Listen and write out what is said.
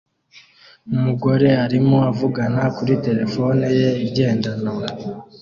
Umugore arimo avugana kuri terefone ye igendanwa